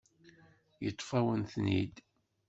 Yeṭṭef-awen-ten-id.